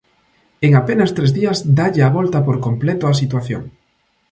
En apenas tres días dálle a volta por completo á situación.